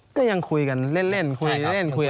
ก็ยังคุยกันเล่นคุยคุย